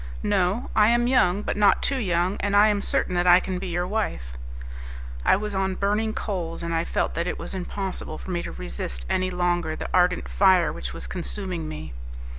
"No; I am young, but not too young, and I am certain that I can be your wife." I was on burning coals, and I felt that it was impossible for me to resist any longer the ardent fire which was consuming me.